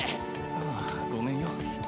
ああごめんよ。